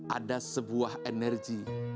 ada sebuah energi